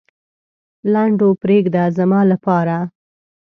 لنډو پرېږده زما لپاره.